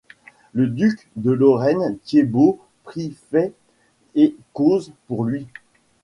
Le duc de Lorraine Thiébaud prit fait et cause pour lui.